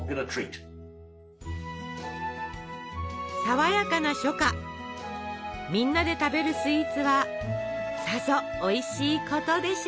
爽やかな初夏みんなで食べるスイーツはさぞおいしいことでしょう。